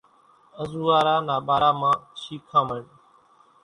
انزوئارا نا ٻارا مان شيکامڻ،